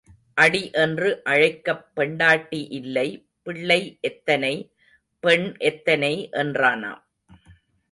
அடி என்று அழைக்கப் பெண்டாட்டி இல்லை பிள்ளை எத்தனை, பெண் எத்தனை என்றானாம்.